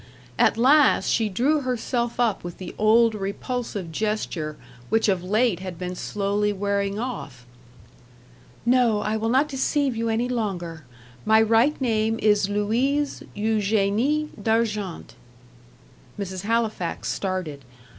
At last, she drew herself up with the old repulsive gesture, which of late had been slowly wearing off. "No I will not deceive you any longer. My right name is Louise Eugenie D'Argent." Mrs. Halifax started.